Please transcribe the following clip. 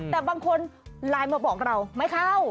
แต่บางคนไลน์มาบอกเราไม่เข้า